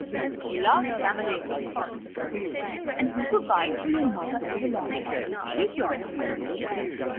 A LARGE FAMILY OF CHILDREN. "And who provides for your mother and her large family of children?" queried the man.